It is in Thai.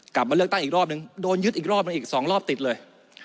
กลับมาเลือกตั้งอีกรอบนึงโดนยึดอีกรอบหนึ่งอีก๒รอบติดเลย